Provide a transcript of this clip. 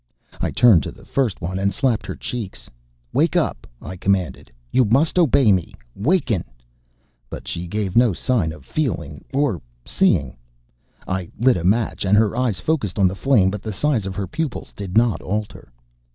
I turned to the first one and slapped her cheeks. "Wake up!" I commanded. "You must obey me! Waken " But she gave no sign of feeling, of seeing. I lit a match, and her eyes focused on the flame. But the size of her pupils did not alter....